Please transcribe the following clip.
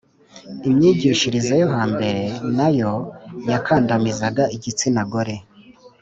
imyigishirize yo hambere na yo yakandamizaga igitsina gore.